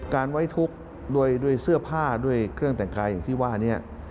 ไว้ทุกข์ด้วยเสื้อผ้าด้วยเครื่องแต่งกายอย่างที่ว่านี้